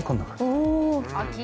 お。